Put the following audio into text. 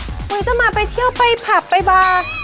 วันนี้จะมาไปเที่ยวไปผับไปบาร์